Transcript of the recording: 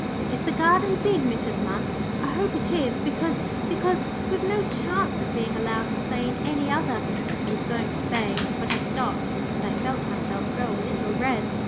"Is the garden big, Mrs. Munt? I hope it is, because because we've no chance of being allowed to play in any other," I was going to say, but I stopped, and I felt myself grow a little red.